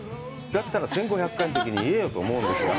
だったら１５００回のときに言えよと思うんですが。